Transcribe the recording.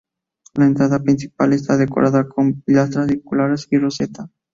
La entrada principal está decorada con pilastras circulares y roseta.